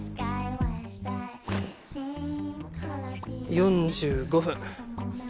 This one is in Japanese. ４５分。